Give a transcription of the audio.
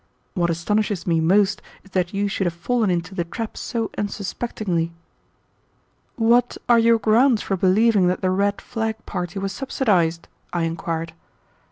What astonishes me most is that you should have fallen into the trap so unsuspectingly." "What are your grounds for believing that the red flag party was subsidized?" I inquired.